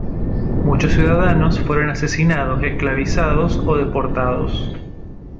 Muchos ciudadanos fueron asesinados, esclavizados o deportados.